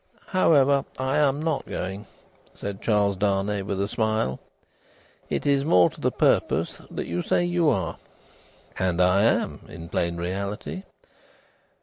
"However, I am not going," said Charles Darnay, with a smile. "It is more to the purpose that you say you are." "And I am, in plain reality.